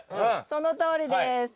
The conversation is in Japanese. そのとおりです。